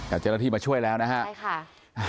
อยากเจอที่มาช่วยแล้วนะฮะค่ะ